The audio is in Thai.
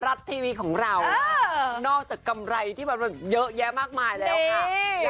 รัฐทีวีของเรานอกจากกำไรที่มันเยอะแยะมากมายแล้วค่ะ